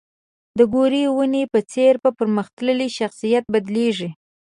د ګورې ونې په څېر په پرمختللي شخصیت بدلېږي.